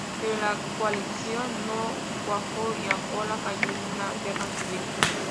Pero la coalición no cuajó y Angola cayó en una guerra civil.